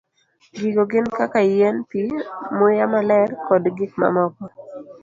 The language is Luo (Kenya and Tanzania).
Gigo gin kaka yien, pi, muya maler, kod gik mamoko.